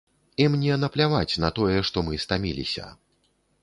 І мне напляваць на тое, што мы стаміліся.